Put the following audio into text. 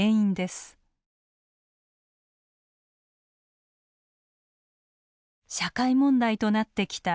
社会問題となってきたいじめ。